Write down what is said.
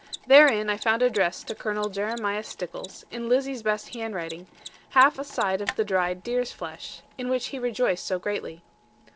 Therein I found addressed to Colonel Jeremiah Stickles, in Lizzie's best handwriting, half a side of the dried deer's flesh, in which he rejoiced so greatly.